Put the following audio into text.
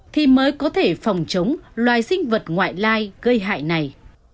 thì mới có thể phòng chống loài sinh vật ngoại lai gây hại này